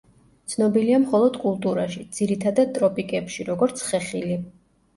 ცნობილია მხოლოდ კულტურაში, ძირითადად ტროპიკებში როგორც ხეხილი.